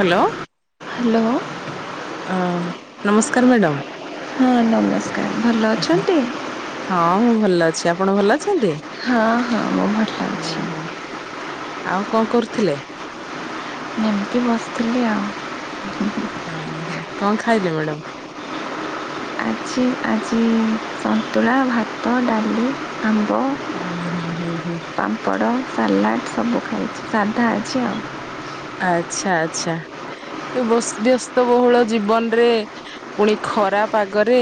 Hello. Hello. ଅଁ ନମସ୍କାର madam. ହଁ ନମସ୍କାର ଭଲ ଅଛନ୍ତି? ହଁ ମୁଁ ଭଲ ଅଛି ଆପଣ ଭଲ ଅଛନ୍ତି? ହଁ ହଁ ମୁଁ ଭଲ ଅଛି। ଓହୋ ଆଉ କଣ କରୁଥିଲେ? ଏମିତି ବସିଥିଲି ଆଉ। ଉଁ ଉଁ କଣ ଖାଇଲେ ମ୍ୟାଡ଼ାମ? ଆଜି ଆଜି ସନ୍ତୁଳା, ଭାତ, ଡାଲି, ଆମ୍ବ ହଁ ହଁ ହଁ ହଁ। ପାମ୍ପଡ଼ ସାଲାଡ଼ ସବୁ ଖାଇଚି ସାଧା ଆଜି ଆଉ। ଆଚ୍ଛା! ଆଚ୍ଛା! ବସ୍ତିବସ୍ତ ବ୍ୟସ୍ତ ବହୁଳ ଜୀବନରେ ପୁଣି ଖରାପ ପାଗରେ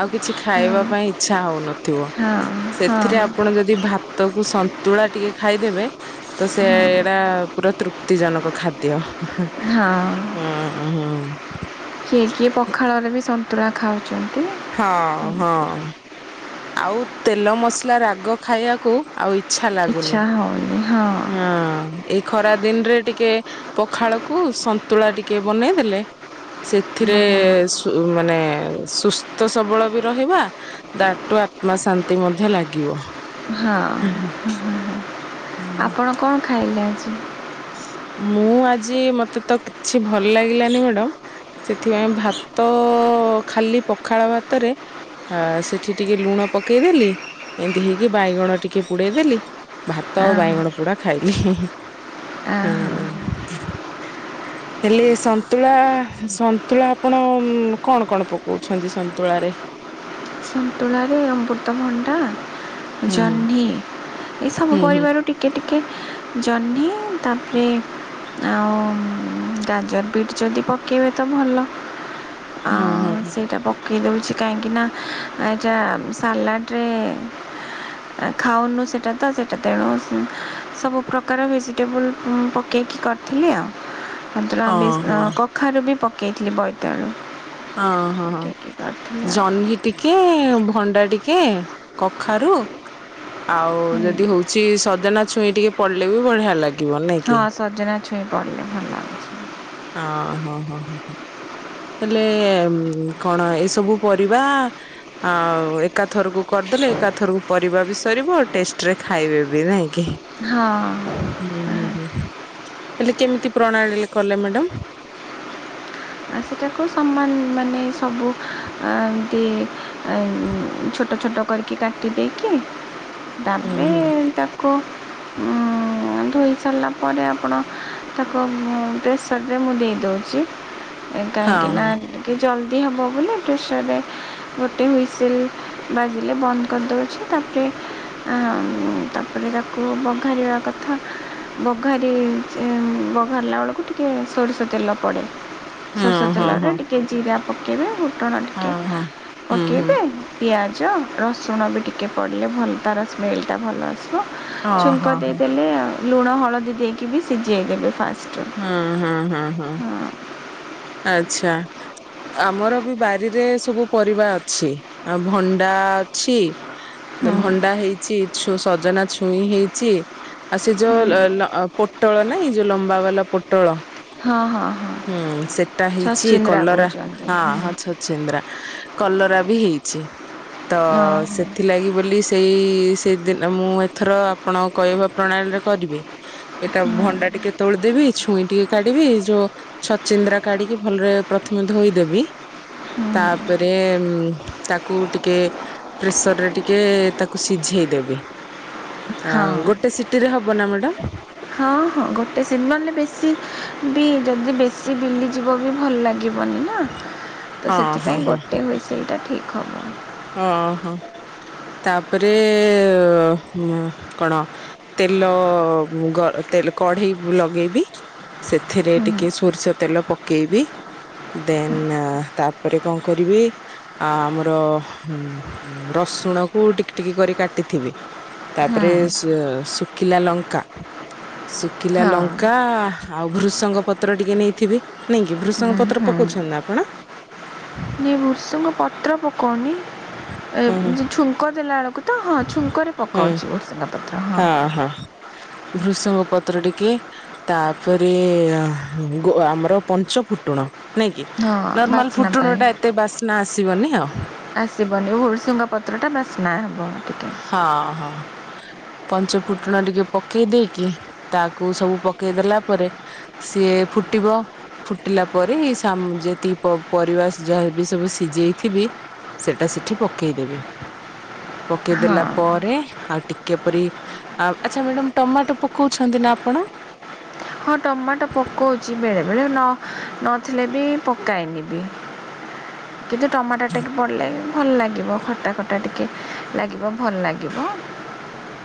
ଆଉ କିଛି ଖାଇବା ହଁ ପାଇଁ ଇଚ୍ଛା ହଉନ ଥିବ ହଁ ହଁ ସେଥିରେ ଆପଣ ଯଦି ଯଦି ଭାତକୁ ସନ୍ତୁଳା ଟିକେ ଖାଇଦେବେ ତ ସେରା ପୁରା ତୃପ୍ତି ଜନକ ଖାଦ୍ୟ ହଁ ହଁ। କିଏ କିଏ ପଖାଳରେ ବି ସନ୍ତୁଳା ଖାଉଚନ୍ତି? ହଁ ହଁ ଆଉ ତେଲ ମସଲା ରାଗ ଖାଇବାକୁ ଆଉ ଇଚ୍ଛା ଇଚ୍ଛା ହଉନି ହଁ। ଅଁ ଏଇ ଖରା ଦିନରେ ଟିକେ ପଖାଳକୁ ସନ୍ତୁଳା ଟିକେ ବନେଇଦେଲେ ସେଥିରେ ବଢ଼ିଆ ମାନେ ସୁସ୍ଥ ସବଳ ବି ରହିବା ତାଠୁ ଆତ୍ମା ଶାନ୍ତି ମଧ୍ୟ ଲାଗିବ। ହଁ ଆପଣ କଣ ଖାଇଲେ ଆଜି ମୁଁ ଆଜି ମତେ ତ କିଛି ଭଲ ଲାଗିଲାନି ମ୍ୟାଡ଼ାମ ସେଥିପାଇଁ ଭାତ ଖାଲି ପଖାଳ ଭାତରେ ଆ ସେଠି ଟିକେ ଲୁଣ ପକେଇଦେଲି ଏମତି ହେଇକି ବାଇଗଣ ଟିକେ ପୋଡେଇଦେଲି ଭାତ ଆଉ ଆଁ, ବାଇଗଣ ପୋଡା ଖାଇଲି ଇ ହିଁ ହିଁ। ଆଁ, ହୁଁ। ହଁ ହେଲେ ସନ୍ତୁଳା ସନ୍ତୁଳା ଆପଣ କଣ କଣ ପକଉଛନ୍ତି ସନ୍ତୁଳାରେ। ସନ୍ତୁଳାରେ ଅମୃତଭଣ୍ଡା, ହୁଁ ଜହ୍ନି ଏସବୁ ହୁଁ ହୁଁ ପରିବାର ଟିକେ ଟିକେ ଜହ୍ନି ତାପରେ ଆଉ ଗାଜର ବିଟ୍ ଯଦି ପକେଇବେ ତ ଭଲ। ଆ ହୁଁ ହୁଁ ହୁଁ ହୁଁ ସେଇଟା ପକେଇ ଦେଉଛି କାହିଁକିନା ଏଟା ସାଲାଡ୍ ରେ ଖାଉନୁ ସେଟା ତ ସେଇଟା ତେଣୁ ସବୁ ପ୍ରକାର ଭେଜି ଟେବୁଲ୍ ପକେଇକି କରି ଥିଲି ଆଉ ହଁ ସେଥିରେ ହଁ କଖାରୁ ବି ପକେଇଥିଲି ବୈତାଳୁ ହଁ-ହଁ ଜହ୍ନି ଟିକେ ଭଣ୍ଡା ଟିକେ କଖାରୁ ଆଉ ଯଦି ହଉ ଛି ସଜନା ଛୁଇଁ ଟିକେ ପଡିଲେ ବି ବଢିଆ ଲାଗିବ ନାଇଁ କି? ହଁ ସଜନା ଛୁଇଁ ପଡ଼ିଲେ ଭଲ ଲାଗେ। ହଁ-ହଁ-ହଁ-ହଁ। ହେଲେ କଣ ଏସବୁ ପରିବା ଆଉ ଏକା ଥରକୁ କରିଦେଲେ ଏକାଥରକୁ ପରିବା ବି ସରିବ ଆଉ ଟେଷ୍ଟ ରେ ଖାଇବେ ବି ନାଇଁ କି? ହଁ। ହୁଁ-ହୁଁ-ହୁଁ ହେଲେ କେମିତି ପ୍ରଣାଳୀରେ କଲେ ମ୍ୟାଡ଼ମ୍? ସେଇଟାକୁ ସମାନ ମାନେ ସବୁ ଆ ଏମ୍ତି ଆଉ ଛୋଟ-ଛୋଟ କରିକି କାଟି ଦେଇକି ହୁଁ ତାପରେ ହୁଁ ତାକୁ କ ଉଁ ଧୋଇ ସାରିଲା ପରେ ଆପଣ ତାକୁ ପ୍ରେସରରେ ମୁଁ ଦେଇ ଦେଉଚି। ଏ କାହିଁକି ନା ହଁ [unintelligible] ଜଲ୍ଦୀ ହବବୋଲି ପ୍ରେସର୍ ରେ ଗୋଟେ ହୁଇସିଲ୍ ବାଜିଲେ ବନ୍ଦ୍ କରିଦଉଛି ତାପରେ-ତାପରେ ତାକୁ ବଘାରିବା କଥା। ବଘାରି ବଘାରିଲାବେଳକୁ ଟିକେ ସୋରିଷ ତେଲ ପଡ଼େ। ହଁ ସୋରିଷ ହଁ ତେଲରେ ହଁ ଟିକେ ଜିରା ପକାଇବେ ଫୁଟଣ ହଁ ଟିକେ ହଁ ହଁ। ହୁଁ ହୁଁ ପକାଇବେ ପିଆଜ ରସୁଣ ବି ଟିକେ ପଡ଼ିଲେ ଭଲ ତାର ସ୍ମେଲ୍ ଟା ଭଲ ଆସିବ ହଁ ଛୁଙ୍କ ହଁ ହଁ ଦେଇଦେଲେ ଲୁଣ ହଳଦୀ ଦେଇକି ବି ସିଝେଇଦେବେ ଫାଷ୍ଟ। ହୁଁ-ହୁଁ-ହୁଁ-ହୁଁ। ହଁ ଆଚ୍ଛା। ଆମର ବି ବାରିରେ ସବୁ ପରିବା ଅଛି, ଆଉ ଭଣ୍ଡା ଅଛି ହଁ ଭଣ୍ଡା ହେଇଛି ସଜନା ଛୁଇଁ ହେଇଛି ଆଉ ସେ ହଁ ଯୋଉ ପୋଟଳ ନାଇଁ ଯୋଉ ଲମ୍ବା ବାଲା ପୋଟଳ ହଁ-ହଁ-ହଁ। [unintelligible] ହେଇଚି କଲରା ହଁ ହଁ ଛଚିନ୍ଦ୍ରା କଲରା ବି ହେଇଛି ତ ହଁ ସେ ଥିଲାଗି ବୋଲି ସେଇ ସେଇଦିନ ମୁଁ ଏଥର ଆପଣଙ୍କ କହିବା ପ୍ରଣାଳୀରେ କରିବି। ଏଟା ଭଣ୍ଡା ଟିକେ ତୋଳିଦେବି ଛୁଇଁ ଟିକେ କାଢିବି ଯୋଉ ଛଚିନ୍ଦ୍ରା କାଢିକି ଭଲରେ ପ୍ରଥମେ ଧୋଇଦେବି। ହଁ ତାପରେ ତାକୁ ଟିକେ ପ୍ରେସର୍ ରେ ଟିକେ ତାକୁ ସିଝେଇ ଦେବି। ଆ ହଁ ଗୋଟେ ସିଟିରେ ହବ ନା ମ୍ୟାଡ଼ମ୍? ହଁ-ହଁ ଗୋଟେ [unintelligible] ବେଶୀ ବି ଯଦି ବେଶୀ ବିଲିଯିବ ବି ଭଲ ଲାଗିବନି ନା। ତ ହଁ ହଁ ସେଥିପାଇଁ ଗୋଟେ ହୁଇସିଲ୍ ଟା ଠିକ୍ ହବ। ଓହୋ ତାପରେ କଣ? ତେଲ ଗ ତେଲ କଢେଇ ଲଗେଇବି ସେଥିରେ ହଁ ଟିକେ ସୋରିଷ ତେଲ ପକେଇବି। ଦେନ୍ ତାପରେ କଣ କରିବି ଆ ଆମର ହୁଁ ରସୁଣ କୁ ଟିକିଟିକି କରି କାଟିଥିବି ତାପରେ ହଁ ଶୁକିଲା ଲଙ୍କା-ଶୁକିଲା ହଁ ଲଙ୍କା ଆଉ ଭୃସଙ୍ଗ ପତ୍ର ଟିକେ ନେଇଥିବି ନାଇଁ କି, ହୁଁ ଭୃସଙ୍ଗ ପତ୍ର ହୁଁ ପକଉଛନ୍ତି ନା ଆପଣ? [inaudible] ଭୃସଙ୍ଗ ପତ୍ର ପକୋଉନି, ଏ ହୁଁ ହୁଁ ଯୋଉ ଛୁଙ୍କ ଦେଲାବେଳକୁ ତାକୁ ତ ହଁ ଛୁଙ୍କରେ ପକଉଛି ଭୃସଙ୍ଗ। ହଁ-ହଁ ଭୃଷଙ୍ଗ ପତ୍ର ଟିକେ ତାପରେ ଆହ ଗୋ ଆମର ପଞ୍ଚ ଫୁଟୁଣ। ନାଇଁ କିି ହଁ ନର୍ମାଲ ବାସ୍ନା ଫୁଟୁଣ ପାଇଁ ଟା ଏତେ ବାସ୍ନା ଆସିବନି ଆଉ। ଆସିବନି ହୁଡ଼ଶୁଙ୍ଗ ପତ୍ରଟା ବାସ୍ନା ହବ ଟିକେ। ହଁ ହଁ। ପଞ୍ଚ ଫୁଟଣ ଟିକେ ପକେଇ ଦେଇକି ତାକୁ ସବୁ ପକେଇଦଲା ପରେ ସିଏ ଫୁଟିବ। ଫୁଟିଲା ପରେ ସାମ୍ ଯେତିକି ପ ପରିବା ଯାହାବି ସବୁ ସିଝେଇଥିବି ସେଟା ସେଠି ପକେଇଦେବେ। ହଁ ପକେଇଦେଲା ପରେ ଆଉ ଟିକେ କେପରି ଆ ଆଚ୍ଛା ମ୍ୟାଡ଼ାମ ଟମାଟୋ ପକଉଛନ୍ତି ନା ଆପଣ? ହଁ ଟମାଟୋ ପକଉଚି ବେଳେବେଳେ ନ ନଥିଲେ ବି ପକାଏନି ବି। କିନ୍ତୁ ଟମାଟୋ ଟିକେ ପଡ଼ିଲେ ଭଲ ଲାଗିବ ଖଟା ଖଟା ଟିକେ ଲାଗିବ ଭଲ ଲାଗିବ।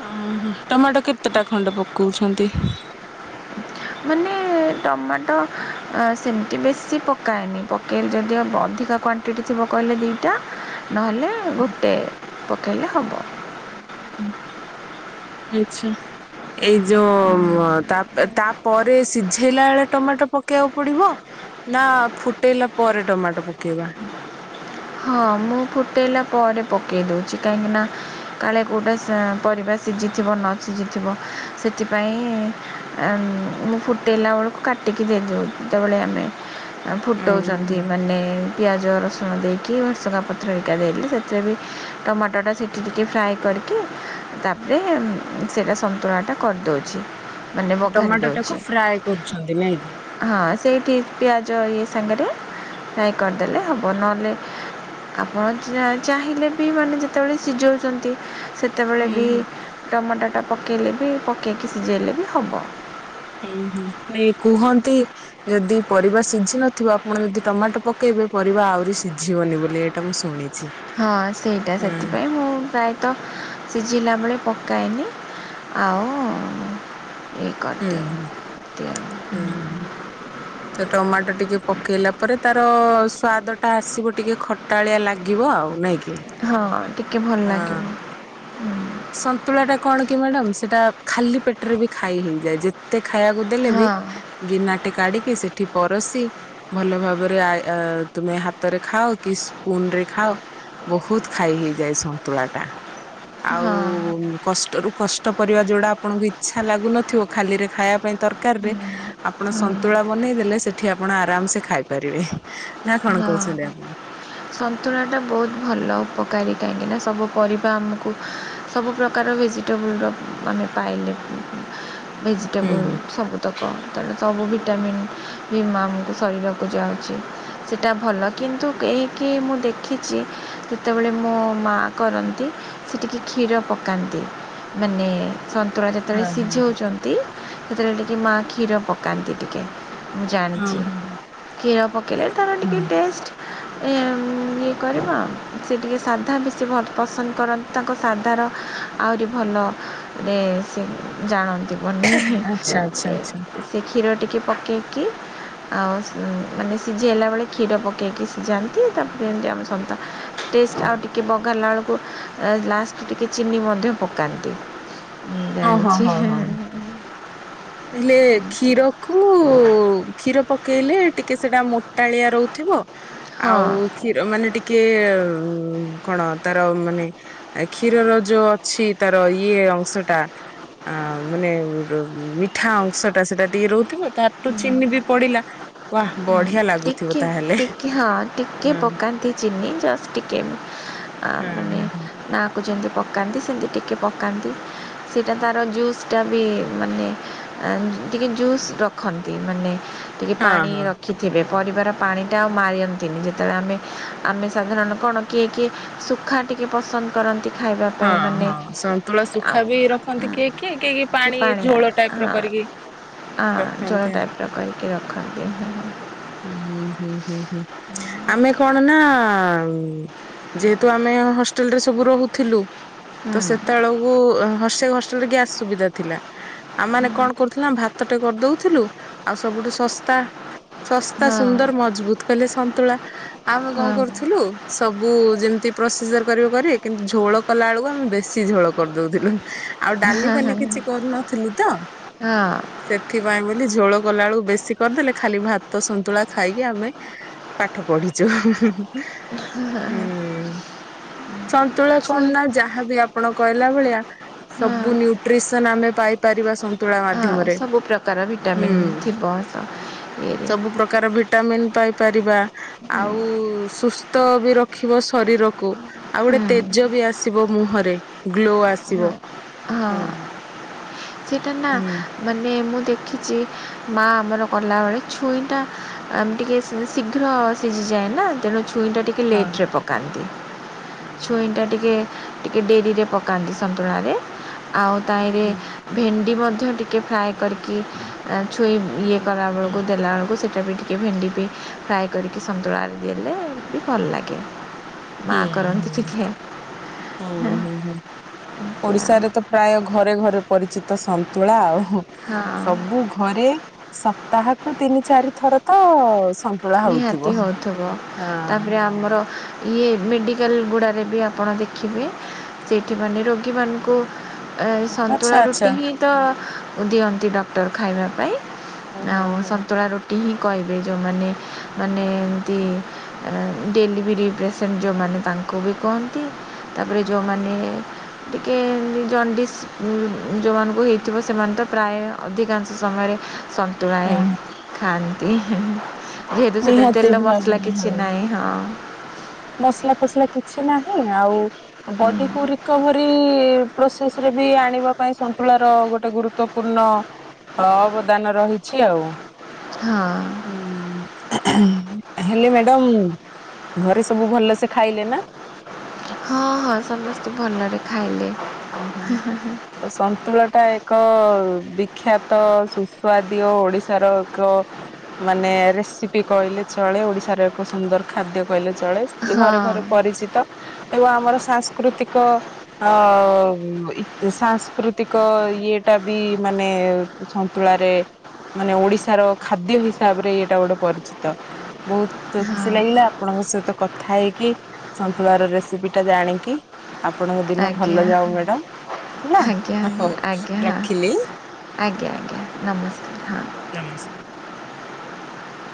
ଉଁ ଟମାଟୋ କେତେଟା ଖଣ୍ଡେ ପକଉଛନ୍ତି? ମାନେ ଟମାଟୋ ଆ ସେମିତି ବେଶୀ ପକାଏନି ପକେଇଲେ ଯଦି ହବ ଅଧିକା କ୍ୱାଣ ଗିଟି ଥିବ କହିଲେ ଦୁଇଟା ନହେଲେ ଗୋଟେ ପକେଇଲେ ହ ହୁଁ ହୁଁ ହୁଁ ଆଚ୍ଛା। ଏଇ ଯୋଉ ତା ପେ ତା ପରେ ସିଝେଇଲା ଏଳେ ଟମାଟୋ ପକେଇବାକୁ ପଡିବ ନା ଫୁଟେଇଲା ପରେ ଟମାଟୋ ପକେଇବା। ହଁ ମୁଁ ଫୁଟେଇଲା ପରେ ପକାଇ ଦଉଚି କାହିଁକିନା କାଳେ କେଉଁଟା ସେଁ ପରିବା ସିଝିଥିବ ନ ସିଝିଥିବ ସେଥିପାଇଁ ଆଁ ମୁଁ ଫୁଟେଇଲା ବେଳକୁ କାଟିକି ଦେଇଦଉ ଯେତେବେଳେ ଆମେ ଆ ଉଁ ହୁଁ ଫୁଟଉଚନ୍ତି ହୁଁ ମାନେ ପିଆଜ ରସୁଣ ଦେଇ କି ଭୁସୁଙ୍ଗା ପତ୍ରଏକା ଦେଇକିରି ସେଥିରେ ବି ଟମାଟୋଟା ସିଝି ସିଝି ଫ୍ରାଏ କରିକି ତା ଇ ସେଇଟା ସନ୍ତୁଳା ଟା କରିଦଉଛି। ସେ ଟମାଟୋ ଟାକୁ ଫ୍ରାଏ କରୁଛନ୍ତି ନାଇଁ କି? ହଁ ସେଇଠି ପିଆଜ ଇଏ ସାଙ୍ଗରେ ନାଇଁ କରିଦେଲେ ହବ। ନ ହେଲେ ଆପଣ ଚା ଚାହିଁଲେ ବି ମାନେ ଯେତେବେଳେ ସିଜଉଚନ୍ତି ସେ ସେତେବେଳେ ହୁଁ ବି ହୁଁ। ଟମାଟୋଟା ପକାଇଲେ ବି ପକେଇକି ସିଜେଇଲେ ବି ହବ। ହୁଁ-ହୁଁ ନେ କୁହନ୍ତି। ଯଦି ପରିବା ସିଝି ନଥିବ ଆପଣ ଯଦି ଟମାଟୋ ପକେଇବେ ପରିବା ଆହୁରି ସିଝିବନି ବୋଲି ଏ ଏଟା ମୁଁ ଶୁଣିଛି। ହଁ ସେଇଟା ହୁଁ ସେଥିପାଇଁ ମୁଁ ପ୍ରାୟ ତ ସିଜିଲା ବେଳେ ପକାଏନି। ଆଉ ଇଏ କ ହୁଁ-ହୁଁ। ତିଆ ହୁଁ ହୁଁ। ସେ ଟମାଟୋ ଟିକେ ପକେଇଲା ପରେ ତାର ସ୍ଵାଦ ଟା ଆସିବ ଟିକେ ଖଟାଳିଆ ଲାଗ ଗିବ ଆଉ ନେଇକି ହଁ ଟିକେ ଭଲ ଲାଗିବ ହୁଁ। ସନ୍ତୁଳା ଟା କଣ କି ମ୍ୟାଡାମ ସେଟା ଖାଲି ପେଟରେ ବି ଖାଇ ହେଇଯାଏ। ଯେତେ ଖାଇବାକୁ ଦେଲେ ବି ହଁ ଗିନାଟେ କାଢିକି ସେଠି ପରସି ଭଲ ଭାବରେ ଆଏ ଅ ତୁମେ ହାତରେ ଖାଅ କି ସ୍ପୁନ ରେ ଖାଅ ବହୁତ ଖାଇ ହେଇଯାଏ ସନ୍ତୁଳା ଟା ଆଉ ହଁ କଷ୍ଟରୁ କଷ୍ଟ ପରିବା ଯୋଉଡା ଆପଣଙ୍କୁ ଇଛା ଲାଗୁନଥିବ ଖାଲି ରେ ଖାଇବା ପାଇଁ ତରକାରି ହୁଁ, ରେ ଆପଣ ହୁଁ, ସନ୍ତୁଳା ବନେଇ ଦେଲେ ସେଠି ଆପଣ ଆରାମସେ ଖାଇପାରିବେ। ନା କଣ ହଁ। କହୁଛନ୍ତି ଆପଣ ସନ୍ତୁଳାଟା ବହୁତ ଭଲ ଉପକାରୀ କାହିଁକିନା ସବୁ ପରିବା ଆମକୁ ସବୁ ପ୍ରକାର ଭେଜିଟେବୁଲ୍ ର ମାନେ ପାଇଲେ ହୁଁ ଭେଜିଟେବୁଲ୍ ସବୁ ତ କଣତେଣୁ ସବୁ ଭିଟାମିନ୍ ବି ଆମକୁ ଶରୀରକୁ ଯାଉଚି। ସେଇଟା ଭଲ କିନ୍ତୁ କେହିକି ମୁଁ ଦେଖିଛି ଯେତେବେଳେ ମୋ ମା କରନ୍ତି। ସେଟିକେ କ୍ଷୀର ପକାନ୍ତି ମାନେ ସନ୍ତୁଳା ହଁ ଯେତେବେଳେ ହଁ ସିଝଉଛନ୍ତି ସେତେବେଳେ ଟିକେ ମା କ୍ଷୀର ପକାନ୍ତି ଟିକେ। ମୁଁ ହଁ ଜାଣିଚି, ହଁ। କ୍ଷୀର ପକେଇଲେ ତାର ଟିକେ ଟେଷ୍ଟ୍। ଏମ୍ ଉଁ, ଇଏ କରିବ ସେ ଟିକେ ସାଧା ବି ସେ ଭଲ ପସନ୍ଦ କରନ ତାଙ୍କ ସାଦାର ଆହୁରି ଭଲ ରେ ସିଏ ବି ଜାଣନ୍ତି। ମାନେ ଆଚ୍ଛା ଆଚ୍ଛା ଏ ଆଚ୍ଛା ସେ କ୍ଷୀର ଟିକେ ପକେଇକି ଆଉ ସି ମାନେ ସିଝେ ଜେଇଲା ବେଳେ କ୍ଷୀର ପକେଇକି ସିଜାନ୍ତି। ତାପରେ ଯେମିତି ଆମେ ସନ୍ତୁଆ ଟେଷ୍ଟ ଆଉ ଟିକେ ବଘାରିଲା ବେଳକୁ ଏ ଲାଷ୍ଟ ଟିକେ ଚିନି ମଧ୍ୟ ପକାନ୍ତି। ହଁ, ହଁ, ଜାଣିଛି ହଁ, ହଁ। ହେଲେ କ୍ଷୀର କୁ କ୍ଷୀର ପକେଇଲେ ଟିକେ ସେଟା ମୋଟାଳିଆ ରହୁଥିବ। ଆଉ ହଁ କ୍ଷୀର ମାନେ ଟିକେ କଣ ତାର ମାନେ କ୍ଷୀରର ଯୋଉ ଅଛି ତାର ଇଏ ଅଂଶ ଟା। ଆଉ ମାନେ ର-ମି ଠା ଅଂଶଟା ସେଟା ଟିକେ ରହୁଥିବ, ତାପରେ ଚିନି ବି ପଡିଲା। ବା ହୁଁ, ବଢିଆ ଲାଗୁଥିବ ଟିକେ ତାହେଲେ ଟିକିଏ ହଁ ଟିକିଏ ହଁ ପକାନ୍ତି ଚିନି ଜଷ୍ଟ ଟିକିଏ ଏମି ଆ, ହଁ ମାନେ ନାଁ କୁ ଯେମିତି ପକାନ୍ତି ସେମିତି ଟିକେ ପକାନ୍ତି। ସେଇଟା ତାର ଜୁସ୍ ଟା ବି ମାନେ ଏଁ, ଟିକେ ଜୁସ୍ ରଖନ୍ତି। ମାନେ ଟିକେ ହଁ ପାଣି ହଁ ର ଖିଥିବେ, ପରିବାର ପାଣିଟା ଆଉ ମାରନ୍ତିନି, ଯେତେବେଳେ ଆମେ ଆମେ ସାଧାରଣ କଣ କିଏ କିଏ ସୁଖାନ୍ତି। କିଏ ପସନ୍ଦ କରନ୍ତି ଖାଇବା ପାଇଁ, ହଁ ମାନେ ହଁ ସନ୍ତୁଳା ଶୁଖା ଆଉ ବି ରଖନ୍ତି ଉଁ, କିଏ କିଏ କିଏ ପାଣି ପାଣିଆ ଝୋଳ ଟାଇପ ର ହଁ। କରିକି ଆଁ, ଜଳ ରଖନ୍ତି ଟାଇପ୍ ର କରିକି ରଖନ୍ତି ହଁ। ଆମୁ ହୁଁ, ହୁଁ, ହୁଁ ଆମେ କଣ ନା ଆଉ ଯେହେତୁ ଆମେ ହଷ୍ଟେଲ୍ ରେ ସବୁ ରହୁଥିଲୁ। ହୁଁ ତ ସେତେବେଳକୁ ଅଁ, ସେ ହଷ୍ଟେଲ ରେ ଗ୍ୟାସ୍ ସୁବିଧା ଥିଲା। ଆମେ ମାନେ ହୁଁ। କଣ କରୁଥିଲୁ ନା ଭାତ ଟେ କରିଦଉଥିଲୁ। ଆଉ ସବୁଠୁ ଶସ୍ତା ଶସ୍ତା ହଁ ସୁନ୍ଦର ମଜବୁତ୍ କହିଲେ ସନ୍ତୁଳା। ଆମେ କଣ ହଁ କରୁଥିଲୁ ସବୁ ଯେମିତି ପ୍ରୋସିଜରୂ କରିବେ କରିବେ। କିନ୍ତୁ ଝୋଳ କଲା ବେଳକୁ ଆମେ ବେଶୀ ଝୋଳ କରିଦଉଥିଲୁ। ଆଉ ଡାଲି ଫାଲି ହଁ କିଛି କରୁନଥିଲୁ ତ। ହଁ ସେ ଥିପାଇଁ ବୋଲି ଝୋଳ କଲା ବେଳକୁ ବେଶୀ କରିଦେଲେ। ଖାଲି ଭାତ ସନ୍ତୁଳା ଖାଇକି ଆମେ ପାଠ ପଢିଚୁ। ହଁ, ହଁ। ସନ୍ତୁଳା କଣ ନା ଯାହାବି ଆପଣ କହିଲା ଭଳିଆ ହଁ ସବୁ ନ୍ୟୁଟ୍ରିସନ୍ ଆମେ ପାଇ ପାରିବା ସନ୍ତୁଳା ହଁ ମାଧ୍ୟମରେ। ସବୁ ପ୍ରକାର ହୁଁ, ଭିଟାମିନ୍ ଥିବ ସ ଇଏରେ ସବୁ ପ୍ରକାର ଭି ଟାମିିନ୍ ପାଇପାରିବା ଆଉ ସୁସ୍ଥ ବି ରଖିବ ଶରୀରକୁ। ଆଉ ଗୋଟେ ହୁଁ ତେଜ ବି ଆସିବ ମୁହଁରେ। ଗ୍ଲୋ ଆ ହଁ, ହଁ ସେଇଟା ନା ମାନେ ମୁଁ ଦେଖିଚି ମା ଆମର କଲାବେଳେ ଛୁଇଁଟା ଆମ୍ ଟିକେ ସେ ଶୀଘ୍ର ସିଜିଯାଏ ନା। ତେଣୁ ଛୁଇଁ ଟା ଟି କେ ହଁ। ଲେଟ୍ ରେ ପକାନ୍ତି, ହୁଁ ଛୁଇଁଟା ଟିକେ ଟିକେ ଡେରିରେ ପ କାନ୍ତି ସନ୍ତୁଳାରେ। ଆଉ ହୁଁ ତାଇଁରେ ହୁଁ ଭେଣ୍ଡି ମଧ୍ୟ ଟିକେ ଫ୍ରାଏ କରିକି [inaudible] ଆ, ଛୁଇଁ ଇଏ କଲାବେଳକୁ ଦେଲାବେଳକୁ ସେ ସେଟା ବି ଟିକେ, ଭେଣ୍ଡି ବି ଫ୍ରାଏ କରିକି ସନ୍ତୁଳାରେ ଦେଲେ ବି ଭଲ ଲାଗେ। ମା ହୁଁ କରନ୍ତି ଟିଖେ, ହଁ। ହୁଁ ହୁଁ। ଓଡିଶାରେ ତ ପ୍ରାୟ ଘରେ ଘରେ ପରିଚିତ ସନ୍ତୁଳା ଆଉ ହଁ ସବୁ ଘରେ ସପ୍ତାହକୁ ତିନି ଚାରି ଥର ତ ସ ନିହାତି ହଉଥିବ ତାପରେ ଆମର ଇଏ ମେଡ଼ିକାଲ ଗୁଡ଼ାରେ ବି ଆପଣ ଦେଖିବେ ହଁ ହଁ ସେଇଠି ହଁ। ମାନେ ରୋଗୀମାନଙ୍କୁ ଏ ଆଚ୍ଛା ସନ୍ତୁଳା ଆଚ୍ଛା। ରୁଟି ହିଁ ତ ଦିଅନ୍ତି ଡକ୍ଟର ଖାଇବା ପାଇଁ। ହଁ ହଁ ଆଉ ହଁ। ସନ୍ତୁଳା ରୁଟି ହିଁ କହିବେ ଯୋଉମାନେ ମାନେ ଏମିତି ଡେଲିଭରି ପେସେଣ୍ଟ ଯେଉଁମାନେ ତାଙ୍କୁ ବି କୁହନ୍ତି। ତାପରେ ଯୋଉମାନେ ଟିକେ ଜଣ୍ଡିସ୍ ଯେଉଁମାନଙ୍କୁ ହେଇଥିବ ସେମାନେ ତ ପ୍ରାୟ ଅଧିକାଂଶ ସମୟରେ ସନ୍ତୁଳା ହୁଁ ହିଁ ହୁଁ। ଖାଆନ୍ତି। ଯେହେତୁ ସେଥିରେ ନିହାତି ତେଲ ମସଲା ଭାବରେ ହଁ କିଛି ନାହିଁ ହଁ। ମସଲା ଫସଲା କିଛି ନାହିଁ ଆଉ ବଡି କୁ ରିକଭରି ପ୍ରସେସରେ ବି ଆଣିବା ପାଇଁ ସନ୍ତୁଳା ର ଗୋଟେ ଗୁରୁତ୍ୱପୂର୍ଣ୍ଣ ଅବଦାନ ରହିଛି ଆଉ। ହଁ। ହଁ ହେଲେ ମ୍ୟାଡାମ ଘରେ ସବୁ ଭଲସେ ଖାଇଲେ ନା? ହଁ ହଁ ସମସ୍ତେ ଭଲରେ ଖାଇଲେ। ଓହୋ। ତ ସନ୍ତୁଳାଟା ଏକ ବିଖ୍ୟାତ ସୁସ୍ୱାଦୀୟ ଓଡ଼ିଶାର ଏକ ମାନେ ରେସିପି କହିଲେ ଚଳେ ଓଡିଶାର ଏକ ସୁନ୍ଦର ଖାଦ୍ୟ କହିଲେ ଚଳେ ହଁ ଘରେ ଘରେ ପରିଚିତ ଏବଂ ଆମର ସାଂସ୍କୃତିକ ଅ ସାଂସ୍କୃତିକ ଇଏ ଟା ବି ମାନେ ସନ୍ତୁଳାରେ ମାନେ ଓଡିଶାର ଖାଦ୍ୟ ହିସାବରେ ଏଇଟା ଗୋଟେ ପରିଚିତ ବହୁତ ବହୁତ ହଁ ଖୁସି ଲାଗିଲା ଆପଣଙ୍କ ସହିତ କଥା ହେଇକି ସନ୍ତୁଳାର ରେସିପି ଟା ଜାଣିକି ଆପଣଙ୍କ ଦିନ ଆଜ୍ଞା ଭଲ ଯାଉ ମ୍ୟାଡାାମ ହେଲା ଆଜ୍ଞା ଆଜ୍ଞା ହଉ ଆଜ୍ଞା ହଁ ରଖିଲି। ଆଜ୍ଞା ଆଜ୍ଞା ନମସ୍କାର ହଁ। [unintelligible]